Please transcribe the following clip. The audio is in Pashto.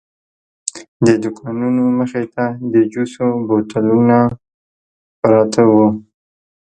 د دوکانونو مخې ته د جوسو بوتلونه پراته وو.